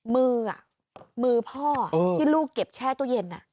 มือมือพ่อที่ลูกเก็บแช่ตู้เย็น